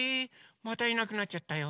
⁉またいなくなっちゃったよ。